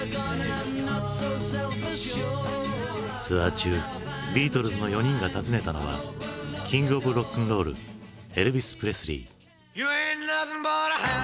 ツアー中ビートルズの４人が訪ねたのはキング・オブ・ロックンロールエルヴィス・プレスリー。